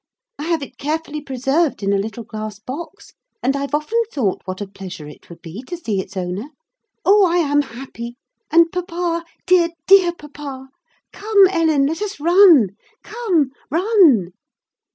I have it carefully preserved in a little glass box; and I've often thought what a pleasure it would be to see its owner. Oh! I am happy—and papa, dear, dear papa! Come, Ellen, let us run! come, run."